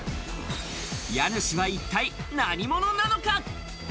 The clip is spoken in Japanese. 家主は一体何者なのか？